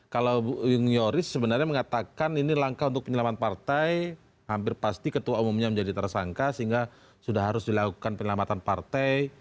kalau bu yuris sebenarnya mengatakan ini langkah untuk penyelamatan partai hampir pasti ketua umumnya menjadi tersangka sehingga sudah harus dilakukan penyelamatan partai